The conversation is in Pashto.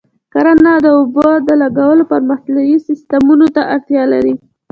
کرنه د اوبو د لګولو پرمختللي سیستمونه ته اړتیا لري.